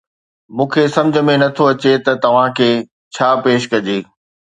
مون کي سمجهه ۾ نه ٿو اچي ته توهان کي ڇا پيش ڪجي